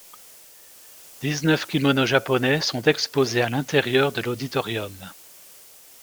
Dix-neuf kimonos japonais sont exposés à l'intérieur de l'auditorium.